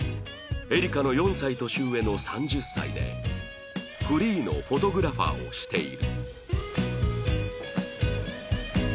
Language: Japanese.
エリカの４歳年上の３０歳でフリーのフォトグラファーをしている